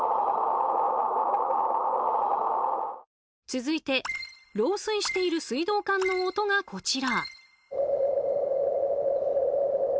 続いて漏水している水道管の音がこちら。